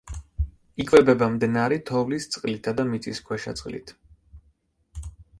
იკვებება მდნარი თოვლის წყლითა და მიწისქვეშა წყლით.